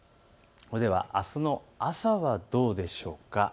それではあすの朝はどうでしょうか。